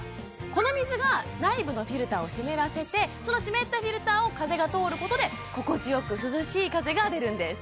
この水が内部のフィルターを湿らせてその湿ったフィルターを風が通ることで心地よく涼しい風が出るんです